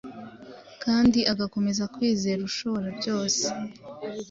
kandi agakomeza kwizera ushobora byose.